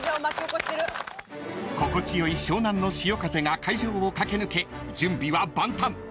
［心地よい湘南の潮風が会場を駆け抜け準備は万端！］